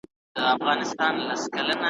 شیخ دي نڅیږي پر منبر، منصور پر دار ختلی `